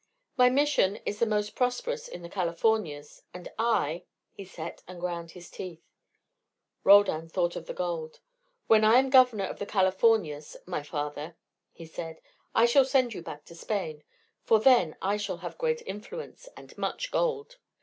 My Mission is the most prosperous in the Californias and I " he set and ground his teeth. Roldan thought of the gold. "When I am governor of the Californias, my father," he said, "I shall send you back to Spain, for then I shall have great influence and much gold."